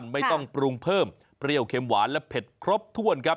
ไม่ต้องปรุงเพิ่มเปรี้ยวเค็มหวานและเผ็ดครบถ้วนครับ